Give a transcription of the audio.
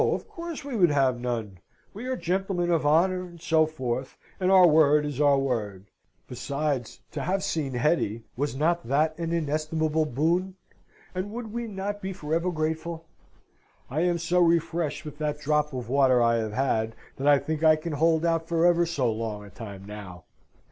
Of course we would have none! We are gentlemen of honour, and so forth, and our word is our word. Besides, to have seen Hetty, was not that an inestimable boon, and would we not be for ever grateful? I am so refreshed with that drop of water I have had, that I think I can hold out for ever so long a time now.